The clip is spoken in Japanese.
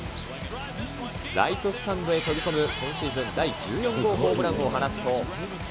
ライトスタンドへ飛び込む、今シーズン第１４号ホームランを放つと。